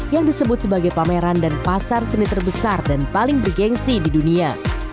yang disebut sebagai pameran dan pasar seni terbesar dan paling bergensi di dunia